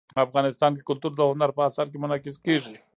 افغانستان کې کلتور د هنر په اثار کې منعکس کېږي.